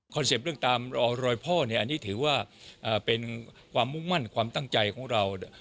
เป็ปต์เรื่องตามรอยพ่อเนี่ยอันนี้ถือว่าเป็นความมุ่งมั่นความตั้งใจของเรา